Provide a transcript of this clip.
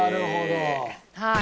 はい。